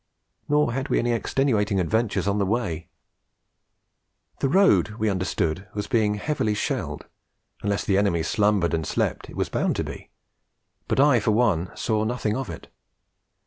Nor had we any extenuating adventures on the way. The road, we understood, was being heavily shelled; unless the enemy slumbered and slept, it was bound to be; but I for one saw nothing of it.